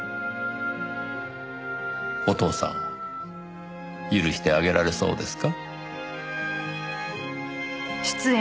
お父さんを許してあげられそうですか？